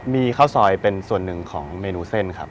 มีข้าวซอยเป็นส่วนหนึ่งของเมนูเส้นครับ